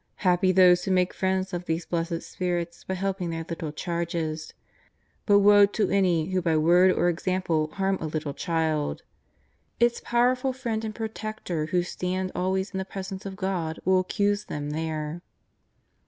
Happy those who make friends of these blessed spirits by helping their little charges. But woe to any who by word or example harm a little child. Its powerful friend and pro tector who stands always in the Presence of God will accuse them there.